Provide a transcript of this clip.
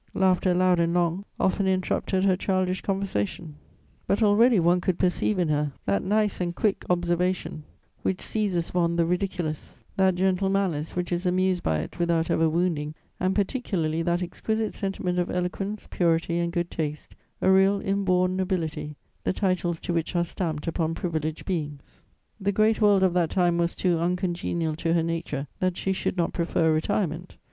Laughter loud and long often interrupted her childish conversation; but already one could perceive in her that nice and quick observation which seizes upon the ridiculous, that gentle malice which is amused by it without ever wounding, and particularly that exquisite sentiment of eloquence, purity and good taste, a real inborn nobility, the titles to which are stamped upon privileged beings. [Illustration: madame Récamier.] [Sidenote: Her girlhood.] "The great world of that time was too uncongenial to her nature that she should not prefer retirement.